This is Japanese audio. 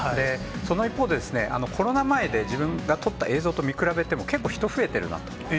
その一方で、コロナ前に自分が撮った映像と見比べても、結構人増えてるなと。